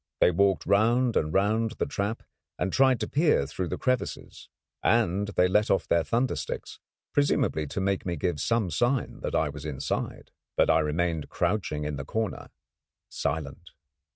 They walked round and round the trap, and tried to peer through the crevices, and they let off their thunder sticks, presumably to make me give some sign that I was inside. But I remained crouching in the corner silent.